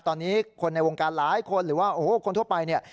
ตอนนี้คนในวงการหลายคนหรือว่าโอ้โหคนทั่วไปเนี่ย